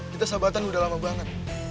kita sabatan udah lama banget